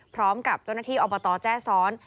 พร้อมกับเจ้าหน้าที่อบตแจ้ซ้อน